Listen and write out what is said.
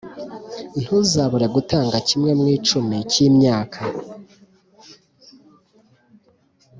Ntuzabure gutanga kimwe mu icumi cy imyaka